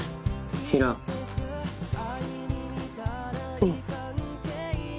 うん。